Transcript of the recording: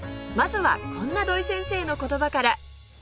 まずはこんな土井先生の言葉から